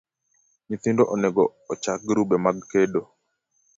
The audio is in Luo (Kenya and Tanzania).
Nyithindo onego ochak grube mag kedo